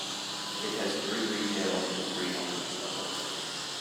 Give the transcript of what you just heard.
It has three retail and three office levels.